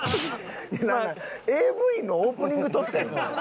ＡＶのオープニング撮ってるの？